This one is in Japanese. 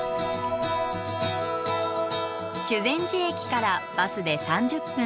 修善寺駅からバスで３０分。